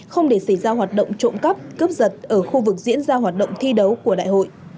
không để xảy ra hoạt động trộm cắp cướp giật ở khu vực diễn ra hoạt động thi đấu của đại hội